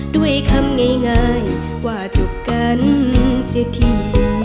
ด้วยคำง่ายว่าจบกันเสียที